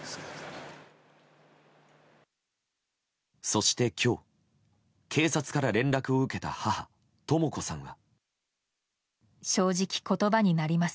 そして、今日警察から連絡を受けた母とも子さんは。